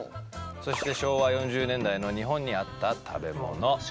そして昭和４０年代の日本にあった食べ物。